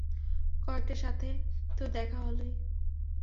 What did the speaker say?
কয়েকটার সাথে তো দেখা হলোই।